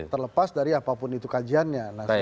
terlepas dari apapun itu kajiannya